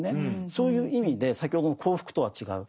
そういう意味で先ほどの幸福とは違う。